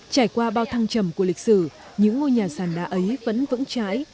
trải qua bao thăng trầm của lịch sử những ngôi nhà sàn đá ấy vẫn vững trái